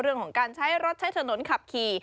เรื่องของการใช้รถใช้ถนนขับขี่